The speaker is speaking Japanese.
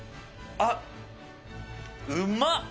あっ、うまっ。